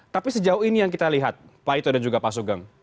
tapi sejauh ini yang kita lihat pak ito dan juga pak sugeng